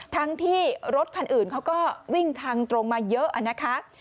ทั้งที่รถคันอื่นเขาก็วิ่งทางตรงมาเยอะนะคะ